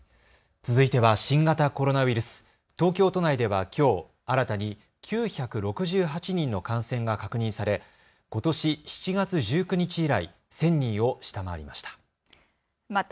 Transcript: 続いては新型コロナウイルス、東京都内ではきょう新たに９６８人の感染が確認されことし７月１９日以来、１０００人を下回りました。